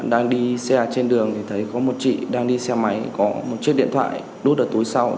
đi xe trên đường thì thấy có một chị đang đi xe máy có một chiếc điện thoại đút ở tối sau